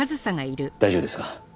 大丈夫ですか？